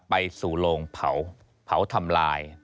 ไปสู่โรงเผาทำลาย